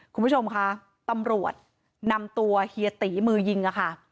คุณผู้ชมคะตำรวจนำตัวเฮียตีมือยิงค่ะ